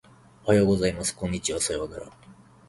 おはようございます。こんにちは。さようなら。